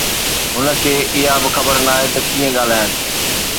هن کي اها به خبر ناهي ته ڪيئن ڳالهائڻ